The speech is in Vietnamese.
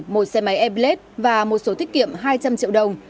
một xe máy airblade và một số tiết kiệm hai trăm linh triệu đồng